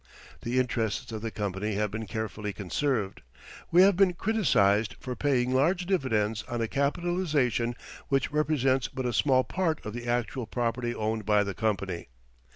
The interests of the company have been carefully conserved. We have been criticized for paying large dividends on a capitalization which represents but a small part of the actual property owned by the company.